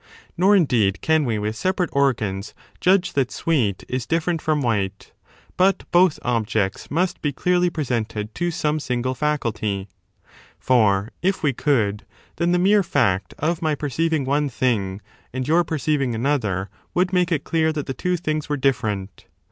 Nor indeed can we with separate organs judge that sweet is different from white, but both objects must be clearly presented to some single faculty. For, if we could, then the mere fact of my perceiving one thing and your perceiving another would make it clear that the two things were different.